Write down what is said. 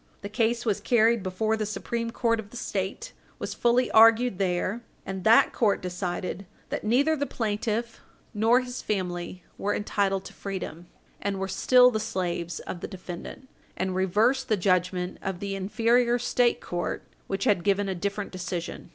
The case was carried before the Supreme Court of the State, was fully argued there, and that court decided that neither the plaintiff nor his family were entitled to freedom, and were still the slaves of the defendant, and reversed the judgment of the inferior State court, which had given a different decision.